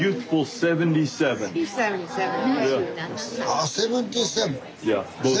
あセブンティーセブン？